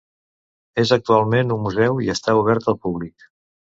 És actualment un museu i està obert al públic.